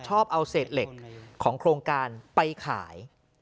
ชอบเอาเศษเหล็กของโครงการไปขาย